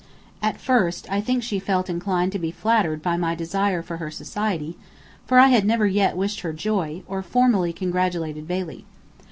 At first, I think she felt inclined to be flattered by my desire for her society, for I had never yet wished her joy, or formally congratulated Bailey.